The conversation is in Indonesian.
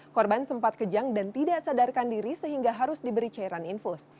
korban sempat kejang dan tidak sadarkan diri sehingga harus diberi cairan infus